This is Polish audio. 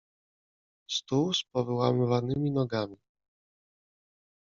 Stół z powyłamywanymi nogami.